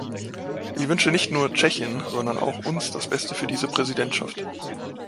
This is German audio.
Ich wünsche nicht nur Tschechien, sondern auch uns das Beste für diese Präsidentschaft.